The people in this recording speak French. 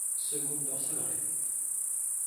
Seconde dorsale réduite.